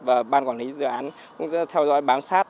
và ban quản lý dự án cũng theo dõi bám sát